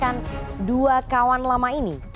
dengan dua kawan lama ini